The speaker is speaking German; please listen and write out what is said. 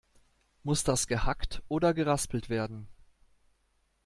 Muss das gehackt oder geraspelt werden?